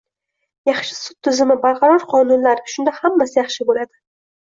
- Yaxshi sud tizimi, barqaror qonunlar - shunda hammasi yaxshi bo'ladi